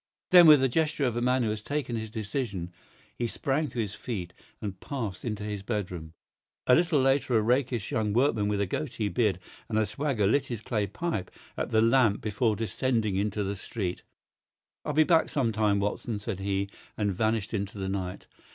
Then, with the gesture of a man who has taken his decision, he sprang to his feet and passed into his bedroom. A little later a rakish young workman with a goatee beard and a swagger lit his clay pipe at the lamp before descending into the street. "I'll be back some time, Watson," said he, and vanished into the night.